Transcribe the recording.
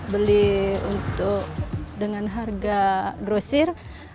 beli dengan harga grosir